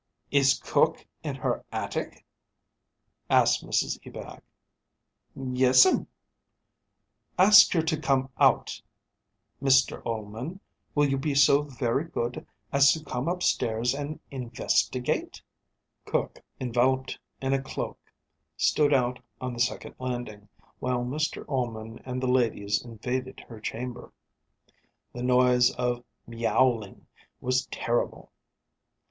"Is cook in her attic?" asked Mrs Ebag. "Yes'm." "Ask her to come out. Mr Ullman, will you be so very good as to come upstairs and investigate?" Cook, enveloped in a cloak, stood out on the second landing, while Mr Ullman and the ladies invaded her chamber. The noise of myowling was terrible.